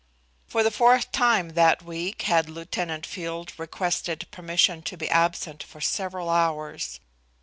For the fourth time that week had Lieutenant Field requested permission to be absent for several hours.